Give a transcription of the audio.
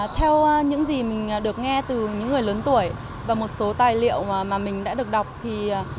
theo những gì mình được nghe từ những người lớn tuổi và một số tài liệu mà mình đã được đọc thì